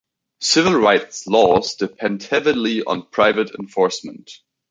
Civil rights law depends heavily on private enforcement.